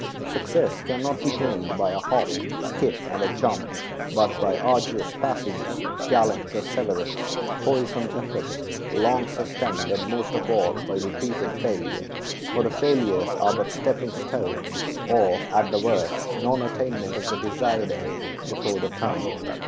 Success can not be gained by a hop, skip, and a jump, but by arduous passages of gallant perseverance, toilsome efforts long sustained, and, most of all, by repeated failure; for the failures are but stepping stones, or, at the worst, non attainment of the desired end before the time.